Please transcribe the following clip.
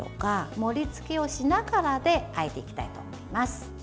盛りつけをしながらであえていきたいと思います。